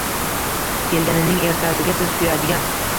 Kelganining ertasiga siz suyadigan.